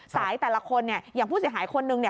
แต่ละคนเนี่ยอย่างผู้เสียหายคนนึงเนี่ย